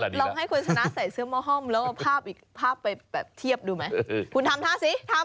ให้คนชนะใส่เสื้อมะห้อมแล้วภาพไปแบบเทียบดูไหม